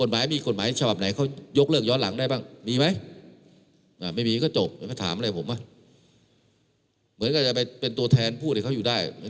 มันเหมือนก็จะเป็นแบบตัวแทนผู้อยู่ใดเขาอยู่ได้